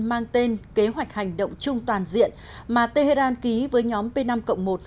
mang tên kế hoạch hành động chung toàn diện mà tehran ký với nhóm p năm một hồi năm hai nghìn một mươi năm